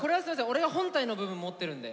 俺が本体の部分持ってるんで。